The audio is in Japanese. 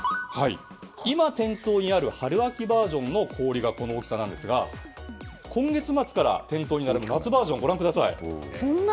今、店頭にある春・秋バージョンの氷がこの大きさなんですが今月末から店頭に並ぶ夏バージョンご覧ください。